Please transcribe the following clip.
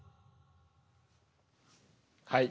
はい。